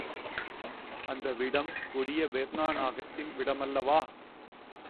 அந்த விஷம் கொடிய வெர்னா நாகத்தின் விஷமல்லவா!